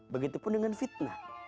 begitu pun dengan fitnah